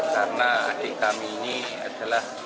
karena adik kami ini adalah